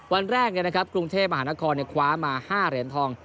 วันแรกกรุงเทพมหานครคว้ามา๕เหรียญทอง